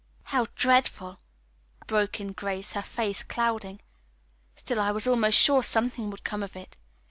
"How dreadful!" broke in Grace, her face clouding. "Still I was almost sure something would come of it.